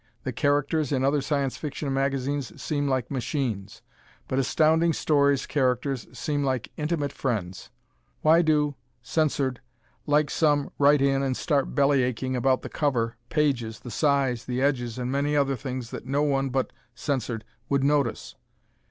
The characters in other Science Fiction magazines seem like machines, but Astounding Stories' characters seem like intimate friends. Why do [censored] like some write in and start bellyaching about the cover, pages, the size, the edges and many other things that no one but [censored] would notice?